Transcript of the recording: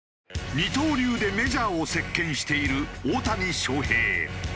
二刀流でメジャーを席巻している大谷翔平。